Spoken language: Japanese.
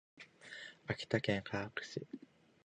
秋田県鹿角市